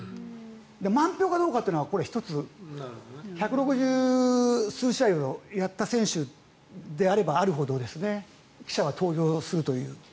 満票かどうかは、１つ１６０数試合をやった選手であればあるほど記者は投票するという。